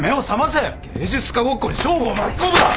芸術家ごっこに匠吾を巻き込むな！